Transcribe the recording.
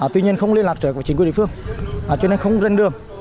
tuy nhiên không liên lạc trợ của chính quyền địa phương cho nên không rên đường